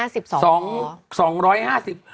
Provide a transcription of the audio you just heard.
สองสองร้อยห้าสิบ